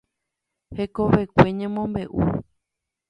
Hekovekue ñemombe'u.